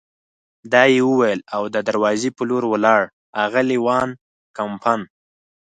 دا یې وویل او د دروازې په لور ولاړل، اغلې وان کمپن.